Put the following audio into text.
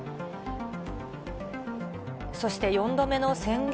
そして４度目の宣言